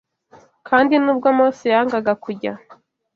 kandi nubwo Mose yangaga kujya